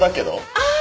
ああ！